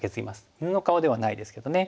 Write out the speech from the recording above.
犬の顔ではないですけどね。